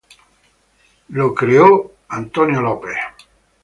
Fue creado por Leo Burnett.